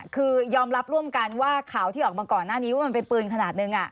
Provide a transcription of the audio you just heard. คือยอมรับร่วมกันว่าข่าวที่ออกมาก่อนหน้านี้ว่ามันเป็นปืนขนาดหนึ่ง